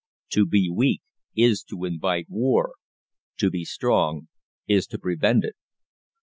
To be weak is to invite war: to be strong is to prevent it.